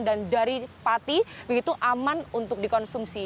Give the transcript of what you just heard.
dan dari pati begitu aman untuk dikonsumsi